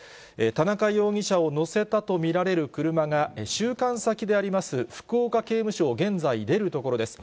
田中容疑者を乗せたと見られる車が、収監先であります福岡刑務所を現在、出るところです。